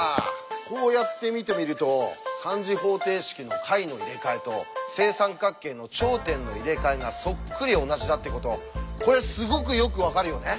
こうやって見てみると３次方程式の解の入れ替えと正三角形の頂点の入れ替えがそっくり同じだってことこれすごくよく分かるよね。